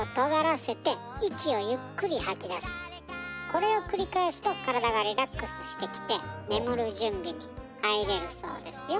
これを繰り返すと体がリラックスしてきて眠る準備に入れるそうですよ。